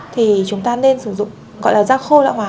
thì chúng ta nên sử dụng gọi là da khô lão hóa